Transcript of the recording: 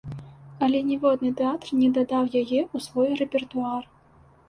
Але ніводны тэатр не дадаў яе ў свой рэпертуар.